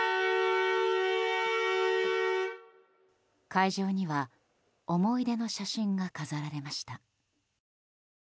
会場には思い出の写真が飾られました。